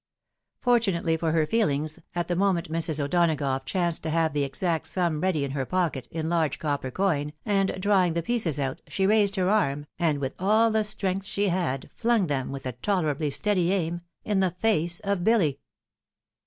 Fortunately for her feelings, at the moment Mrs. O'Donagough chanced to have the exact sum ready in her pocket, in large copper coin, and drawing the pieces out, she raised her arm, and, with all the strength she had, flung them, with a tolerably steady aim, in the face of Billy.